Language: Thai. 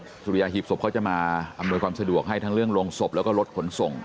สุริยาหีบศพเขาจะมาอำนวยความสะดวกให้ทั้งเรื่องโรงศพแล้วก็รถขนส่ง